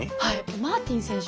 マーティン選手。